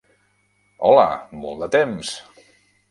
Hola, molt de temps!